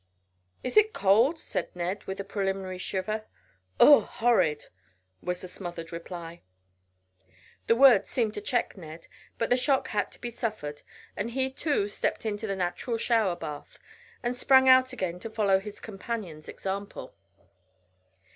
"Is it cold?" said Ned, with a preliminary shiver. "Ugh! Horrid!" was the smothered reply. The words seemed to check Ned, but the shock had to be suffered, and he too stepped into the natural shower bath, and sprang out again, to follow his companion's example.